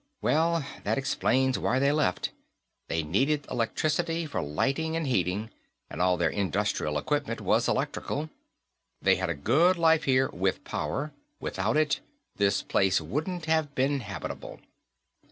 "Well, that explains why they left. They needed electricity for lighting, and heating, and all their industrial equipment was electrical. They had a good life, here, with power; without it, this place wouldn't have been habitable."